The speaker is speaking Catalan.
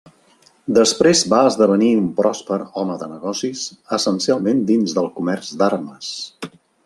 Després va esdevenir un pròsper home de negocis, essencialment dins del comerç d'armes.